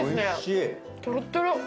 とろっとろ。